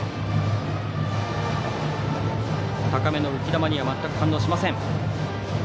高めの浮き球には全く反応しません。